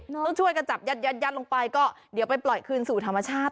ต้องช่วยกันจับยัดลงไปก็เดี๋ยวไปปล่อยคืนสู่ธรรมชาติ